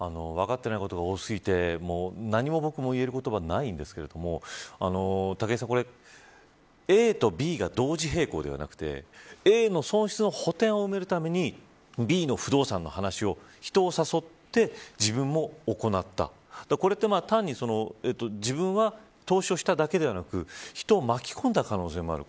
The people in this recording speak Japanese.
分かっていないことが多すぎて何も僕も言えることはないんですが武井さん、これＡとＢが同時並行ではなくてＡの損失の補填を埋めるためにＢの不動産の話、人を誘って自分も行ったこれって単に自分は投資をしただけではなく人を巻き込んだ可能性もある。